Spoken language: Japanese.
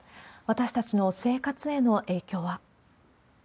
私たちの生活への影響は。